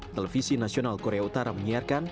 televisi nasional korea utara menyiarkan